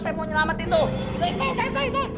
saya mau nyelamatin tuh